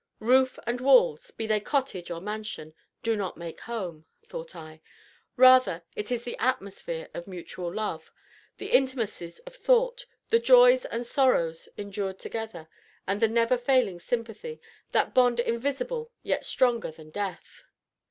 "Roof and walls, be they cottage or mansion, do not make home," thought I, "rather is it the atmosphere of mutual love, the intimacies of thought, the joys and sorrows endured together, and the never failing sympathy that bond invisible yet stronger than death."